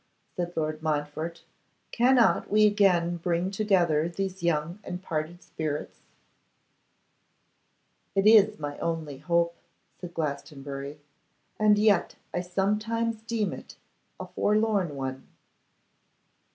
said Lord Montfort; 'cannot we again bring together these young and parted spirits?' 'It is my only hope,' said Glastonbury, 'and yet I sometimes deem it a forlorn one.